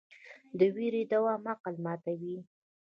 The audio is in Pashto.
د ویرې دوام عقل ماتوي.